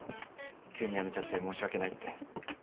急に辞めちゃって申し訳ないって。